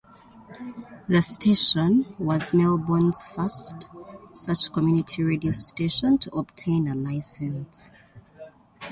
The station was Melbourne's first such community radio station to obtain a licence.